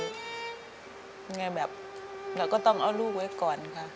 ยังไงแบบเราก็ต้องเอาลูกไว้ก่อนค่ะ